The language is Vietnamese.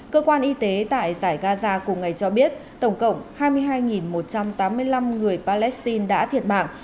cơ quan y tế tại giải gaza cùng ngày cho biết tổng cộng hai mươi hai một trăm tám mươi năm người palestine đã thiệt mạng